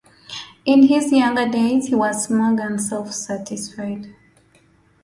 In his younger days he was smug and self-satisfied.